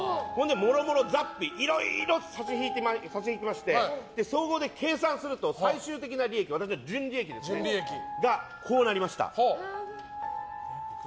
もろもろの雑費いろいろ差し引きまして総合で計算すると最終的な私の純利益がこうなりました。